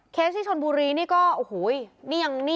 เคสที่ชนบุรีนี่ก็โอ้โหย